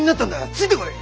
ついてこい！